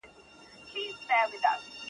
مړه راگوري مړه اكثر.